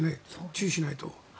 注意しないと。